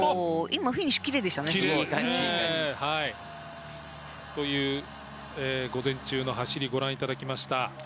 今、フィニッシュ奇麗でしたね。という、午前中の走りご覧いただきました。